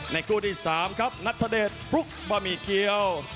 ในกู้ที่สามครับนัทธเดชฟลุกบะหมี่เกี๊ยว